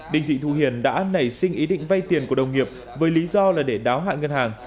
đình thị thu hiền đã nảy sinh ý định vay tiền của đồng nghiệp với lý do là để đáo hạn ngân hàng